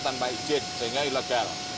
tanpa ijik sehingga ilegal